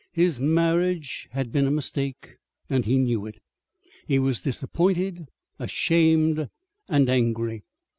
His marriage had been a mistake, and he knew it. He was disappointed, ashamed, and angry.